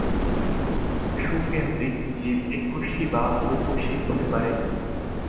সুকেন্দ্রিক জীব এককোষী বা বহুকোষী হতে পারে।